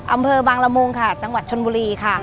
อำเภอบางละมุงค่ะจังหวัดชนบุรีค่ะ